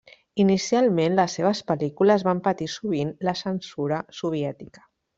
Inicialment, les seves pel·lícules van patir sovint la censura soviètica.